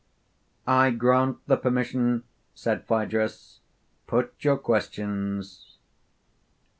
I grant the permission, said Phaedrus: put your questions.